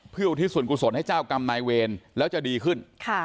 เพื่ออุทิศส่วนกุศลให้เจ้ากรรมนายเวรแล้วจะดีขึ้น